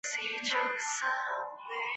交址刺史和各个太守只能自守。